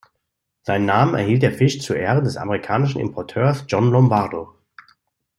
Seinen Namen erhielt der Fisch zu Ehren des amerikanischen Importeurs John Lombardo.